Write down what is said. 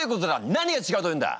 何が違うというんだ！？